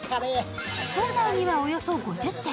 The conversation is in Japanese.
店内にはおよそ５０点。